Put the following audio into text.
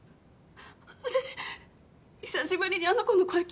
私久しぶりにあの子の声聞けて。